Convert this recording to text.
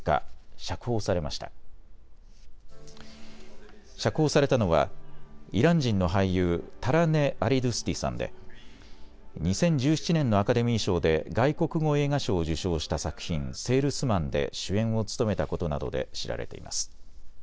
釈放されたのはイラン人の俳優、タラネ・アリドゥスティさんで２０１７年のアカデミー賞で外国語映画賞を受賞した作品、セールスマンで主演を務めたことなどで知られています。